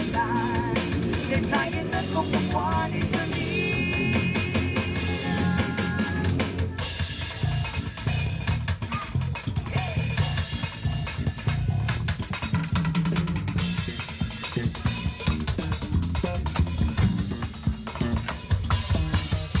เด็กชายเด็กนั้นก็คงคงคว้าในชะมี